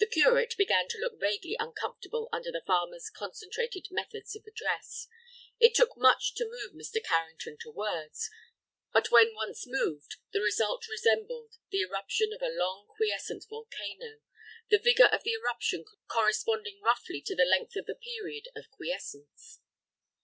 The Curate began to look vaguely uncomfortable under the farmer's concentrated methods of address. It took much to move Mr. Carrington to words, but when once moved, the result resembled the eruption of a long quiescent volcano, the vigor of the eruption corresponding roughly to the length of the period of quiescence.